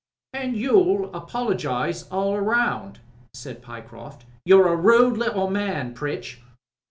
"An* you'll apologise all round," said Pyecroft. "You're a rude little man, Pritch."